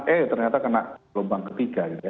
eh ternyata kena gelombang ketiga gitu ya